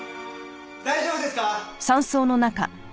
大丈夫ですか？